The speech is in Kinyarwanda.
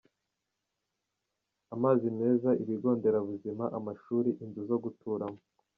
amazi meza, ibigo nderabuzima, amashuri, inzu zo guturamo.